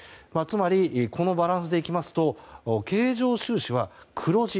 つまり、このバランスでいくと経常収支は黒字。